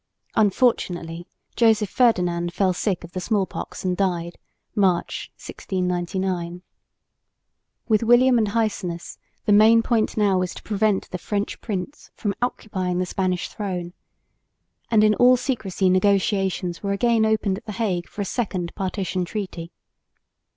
Unfortunately, Joseph Ferdinand fell sick of the small pox and died (March, 1699). With William and Heinsius the main point now was to prevent the French prince from occupying the Spanish throne; and in all secrecy negotiations were again opened at the Hague for a second partition treaty.